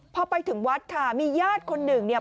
พอไปถึงวัดค่ะมีญาติคนหนึ่งเนี่ย